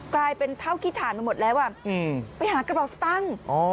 กลายเป็นเท่าคิดฐานมาหมดแล้วไปหากระเป๋าสตังค์